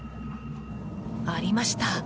ありました。